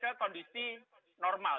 kita akan balik ke kondisi normal